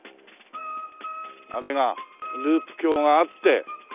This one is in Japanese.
あれがループ橋があって。